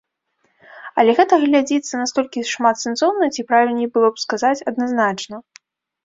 Але гэта глядзіцца настолькі шматсэнсоўна ці, правільней было б сказаць, адназначна.